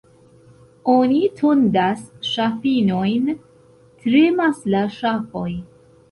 Oni tondas ŝafinojn, tremas la ŝafoj.